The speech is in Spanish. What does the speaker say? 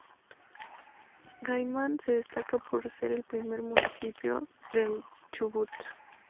Gaiman se destaca por ser el primer Municipio del Chubut.